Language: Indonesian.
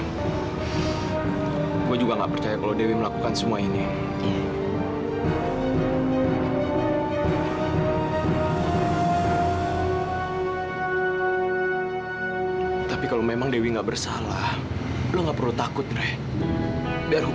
mama bukan pembunuh